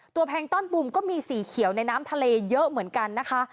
แพงต้อนบุมก็มีสีเขียวในน้ำทะเลเยอะเหมือนกันนะคะ